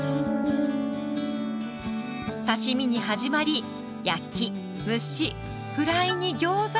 刺身に始まり焼き蒸しフライにギョーザ。